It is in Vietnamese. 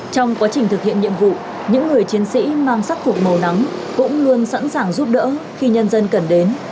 trong quá trình thực hiện nhiệm vụ những người chiến sĩ mang sắc phục màu nắng cũng luôn sẵn sàng giúp đỡ khi nhân dân cần đến